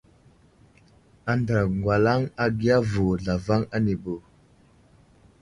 Andra ŋgwalaŋ agiya vo zlavaŋ anibo.